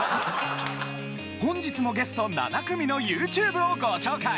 本日のゲスト７組のＹｏｕＴｕｂｅをご紹介！